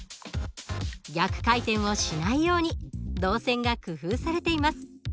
逆回転をしないように導線が工夫されています。